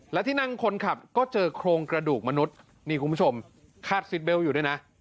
และที่นั่งคนขับก็เจอโครงกระดูกมนุษย์นี่คุณผู้ชมคาดซิดเบลอยู่ด้วยนะ